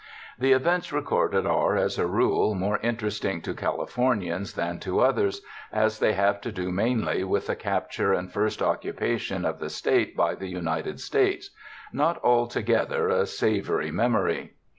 The events 227 UNDER THE SKY IN CALIFORNIA recorded are, as a rule, more interesting to Cali fornians than to others, as they have to do mainly with the capture and first occupation of the State by the United States — not altogether a savory memory.